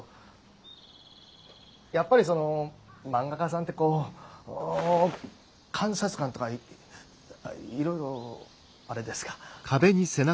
やっぱりその漫画家さんってこう観察眼とかいろいろアレですか。